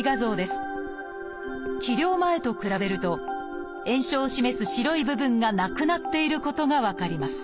治療前と比べると炎症を示す白い部分がなくなっていることが分かります